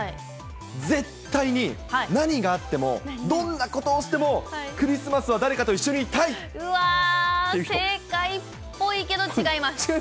絶対に、何があっても、どんなことをしても、クリスマスは誰かと一緒にいうわー、正解っぽいけど違い違います？